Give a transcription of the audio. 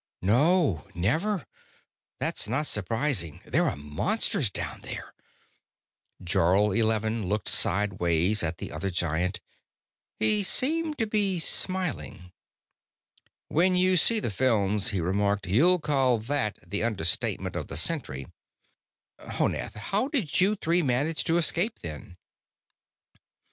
"No, never. That's not surprising. There are monsters down there." Jarl Eleven looked sidewise at the other Giant. He seemed to be smiling. "When you see the films," he remarked, "you'll call that the understatement of the century. Honath, how did you three manage to escape, then?"